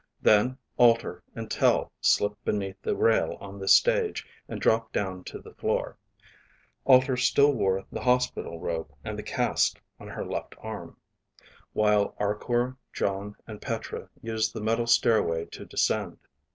Then Alter and Tel slipped beneath the rail on the stage and dropped down to the floor (Alter still wore the hospital robe and the cast on her left arm) while Arkor, Jon, and Petra used the metal stairway to descend.